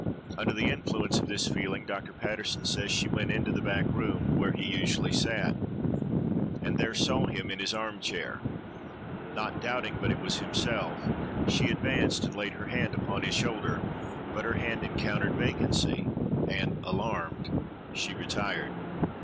Under the influence of this feeling, Dr. Paterson says she went into the back room, where he usually sat, and there saw him in his arm chair. Not doubting but it was himself, she advanced and laid her hand upon his shoulder, but her hand encountered vacancy; and, alarmed, she retired.